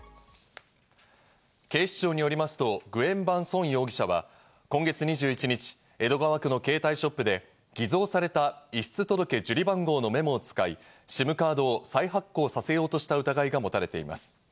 警視庁によりますとグエン・ヴァン・ソン容疑者は今月２１日、江戸川区の携帯ショップで偽造された遺失届受理番号のメモを使い、ＳＩＭカードを再発行させようとした疑いが持たれています。